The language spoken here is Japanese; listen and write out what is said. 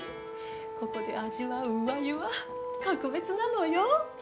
ここで味わう鵜鮎は格別なのよ。